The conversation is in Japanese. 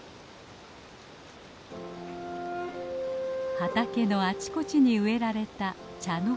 畑のあちこちに植えられたチャノキ。